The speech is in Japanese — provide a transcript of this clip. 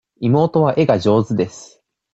妹は絵が上手です。